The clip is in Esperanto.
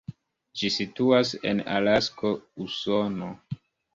Ĝi situas en Alasko, Usono.